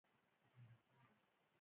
باسواده میندې د ماشومانو جامې پاکې ساتي.